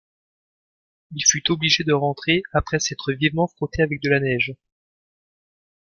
Il fut obligé de rentrer, après s’être vivement frotté avec de la neige.